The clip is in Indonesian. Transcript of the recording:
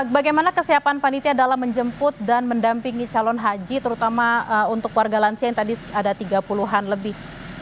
bagaimana kesiapan panitia dalam menjemput dan mendampingi calon haji terutama untuk warga lansia yang tadi ada tiga puluh an lebih